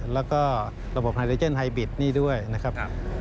แล้วก็ระบบไฮบิทนี่ด้วยนะครับ